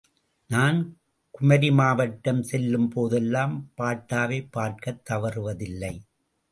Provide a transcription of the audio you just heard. நான் குமரி மாவட்டம் செல்லும்போதெல்லாம் பாட்டாவை பார்க்கத் தவறுவதில்லை.